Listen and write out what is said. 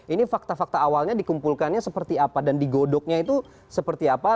ini fakta fakta awalnya dikumpulkannya seperti apa dan digodoknya itu seperti apa